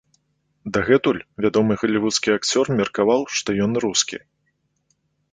Дагэтуль вядомы галівудскі акцёр меркаваў, што ён рускі.